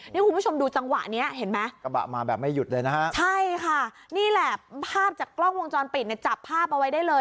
นี่คุณผู้ชมดูจังหวะนี้เห็นไหมกระบะมาแบบไม่หยุดเลยนะฮะใช่ค่ะนี่แหละภาพจากกล้องวงจรปิดเนี่ยจับภาพเอาไว้ได้เลย